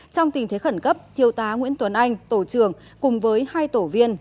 trong tình thế khẩn cấp thiêu tá nguyễn tuấn anh tổ trưởng cùng với hai tổ viên